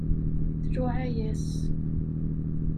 Tluɛa-yas.